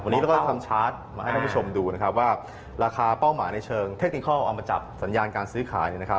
วันนี้เราก็ทำชาร์จมาให้ท่านผู้ชมดูนะครับว่าราคาเป้าหมายในเชิงเทคนิคอลเอามาจับสัญญาณการซื้อขาย